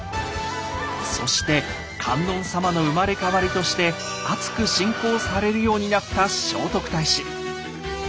そして観音様の生まれ変わりとしてあつく信仰されるようになった聖徳太子。